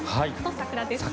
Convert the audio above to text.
桜です。